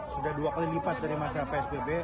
sudah dua kali lipat dari masa psbb